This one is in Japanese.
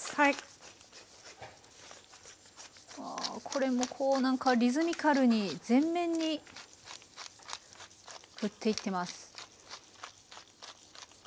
これもこう何かリズミカルに全面にふっていってます。